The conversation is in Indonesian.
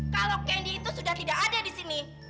kalau candy itu sudah tidak ada disini